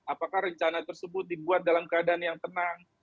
apakah rencana tersebut dibuat dalam keadaan yang tenang